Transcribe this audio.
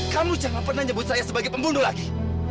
kamu jangan pernah nyebut saya sebagai pembunuh lagi